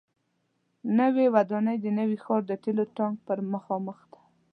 نوې ودانۍ د نوي ښار د تیلو ټانک پر مخامخ ده.